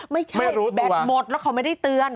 ไม่ใช่แบตหมดแล้วเขาไม่ได้เตือน